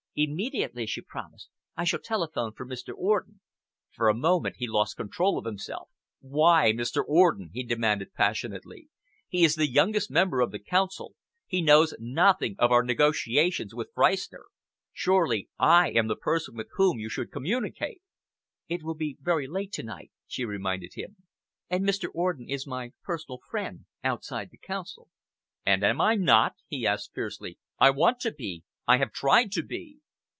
"Immediately," she promised. "I shall telephone for Mr. Orden." For a moment he lost control of himself. "Why Mr. Orden?" he demanded passionately. "He is the youngest member of the Council. He knows nothing of our negotiations with Freistner. Surely I am the person with whom you should communicate?" "It will be very late to night," she reminded him, "and Mr. Orden is my personal friend outside the Council." "And am I not?" he asked fiercely. "I want to be. I have tried to be."